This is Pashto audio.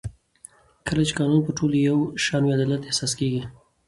کله چې قانون پر ټولو یو شان وي عدالت احساس کېږي